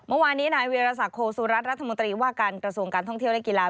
เมื่อวานนี้นายเวียรสักโคสุรัตนรัฐมนตรีว่าการกระทรวงการท่องเที่ยวและกีฬา